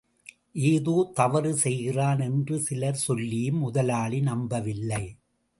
ஏதோ தவறு செய்கிறான் என்று சிலர் சொல்லியும் முதலாளி நம்பவில்லை.